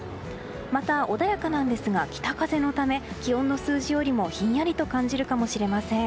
また、穏やかなんですが北風のため気温の数字よりもひんやりと感じるかもしれません。